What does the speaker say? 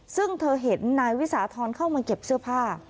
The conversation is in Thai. ซึ่งเธอเห็นนายวิสาธรณ์เข้ามาเก็บเสื้อผ้า